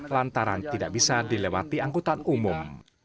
lantaran tidak bisa dilewati angkutan umum